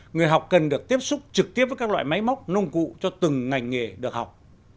người học cần được tiếp xúc trực tiếp với các loại máy móc nông cụ cho từng ngành nghề được học